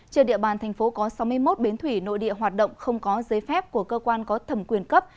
trên địa bàn thành phố có sáu mươi một bến thủy nội địa hoạt động không có giấy phép của cơ quan có thẩm quyền cấp